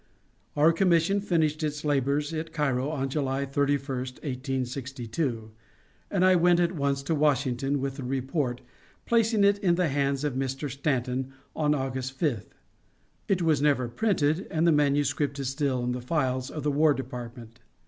Our commission finished its labors at Cairo on July 31, 1862, and I went at once to Washington with the report, placing it in the hands of Mr. Stanton on August 5th. It was never printed, and the manuscript is still in the files of the War Department.